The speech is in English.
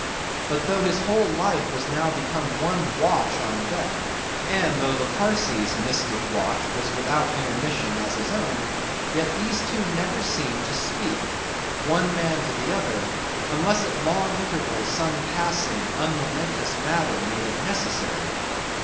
But though his whole life was now become one watch on deck; and though the Parsee's mystic watch was without intermission as his own; yet these two never seemed to speak—one man to the other—unless at long intervals some passing unmomentous matter made it necessary.